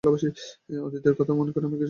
অতীতের কথা আমাদের কিছু মনে থাকে না।